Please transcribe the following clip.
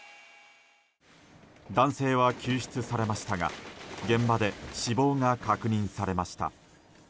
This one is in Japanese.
男性は救出されましたが現場で死亡が確認されました。